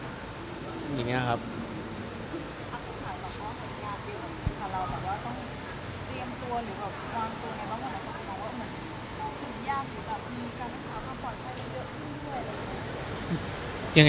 อักษัยหรือเป็นอย่างเดียวกับคุณค่ะ